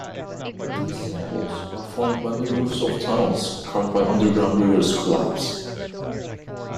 These sinkholes are formed when the roofs of tunnels carved by underground rivers collapse.